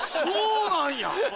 そうなん？